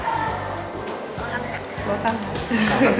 分かんない。